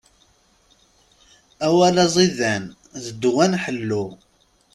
Awal aẓidan, d ddwa n ḥellu.